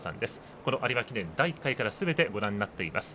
この有馬記念、第１回からすべてご覧になっています。